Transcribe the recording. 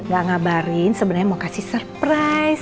gak ngabarin sebenarnya mau kasih surprise